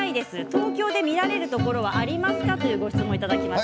東京で見られるところはありますか？というご質問です。